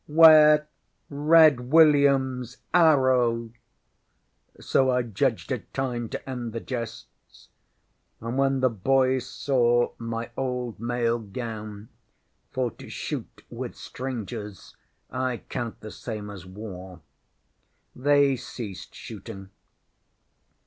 ŌĆśWare Red WilliamŌĆÖs arrow! ŌĆØ so I judged it time to end the jests, and when the boys saw my old mail gown (for, to shoot with strangers I count the same as war), they ceased shooting.